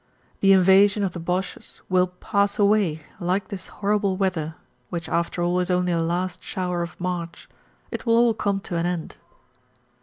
The invasion of the Boches will pass away like this horrible weather, which after all is only a last shower of March; it will all come to an end.